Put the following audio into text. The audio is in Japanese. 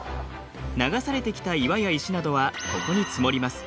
流されてきた岩や石などはここに積もります。